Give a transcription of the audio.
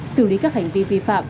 xử lý các hành vi vi phạm